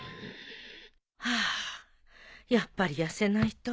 ハァやっぱり痩せないと。